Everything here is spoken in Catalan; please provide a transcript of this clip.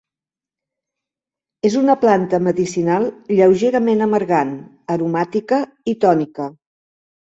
És una planta medicinal lleugerament amargant, aromàtica i tònica.